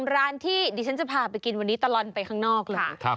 ร้านที่ดิฉันจะพาไปกินวันนี้ตลอดไปข้างนอกเลย